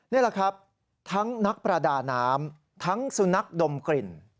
นี่แหละครับทั้งนักประดาน้ำทั้งสุนัขดมกลิ่น